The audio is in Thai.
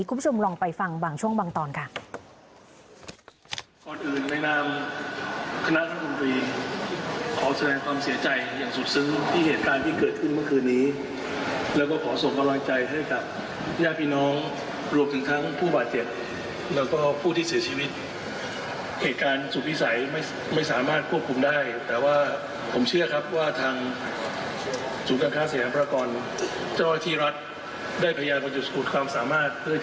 คุณผู้ชมลองไปฟังบางช่วงบางตอนค่ะ